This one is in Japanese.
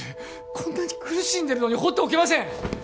こんなに苦しんでるのに放っておけません！